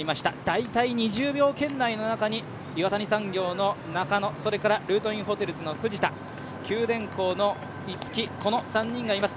大体２０秒圏内の中に岩谷産業の中野、それからルートインホテルズの藤田、九電工の逸木、この３人がいます。